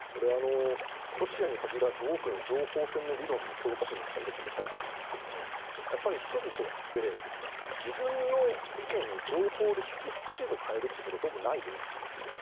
ロシアに限らず多くの情報戦の教科書なんかを読むと書いてありますけど人々って自分の意見を情報で１８０度変えるってことがどうもないようなんですね。